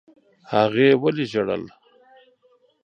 هغې ولي ژړل؟